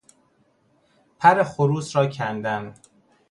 پر خروس را کندن